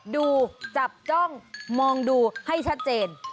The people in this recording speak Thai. ดูจับจ้องมองดูให้ชัดเจน